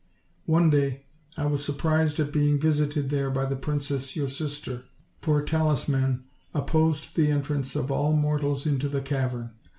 One day, I was surprised at being visited there by the princess your sis ter; for a talisman opposed the entrance of all mortals into the cavern.